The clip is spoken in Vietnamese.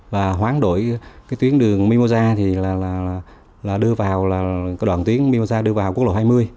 và hoán đổi tuyến đường mimosa đưa vào đoạn tuyến mimosa đưa vào quốc lộ hai mươi